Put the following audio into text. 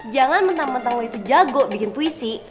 jangan mentang mentang lo itu jago bikin puisi